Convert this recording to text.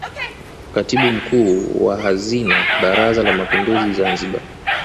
Katibu Mkuu wa Hazina Baraza la Mapinduzi Zanzibar